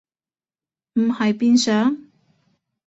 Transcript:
唔係變上？